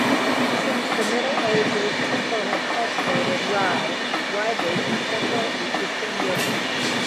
Since the Middle Ages people have cultivated rye widely in Central and Eastern Europe.